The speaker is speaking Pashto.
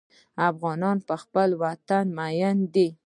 افغانان په خپل وطن مین دي.